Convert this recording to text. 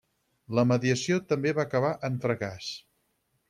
La mediació també va acabar en fracàs.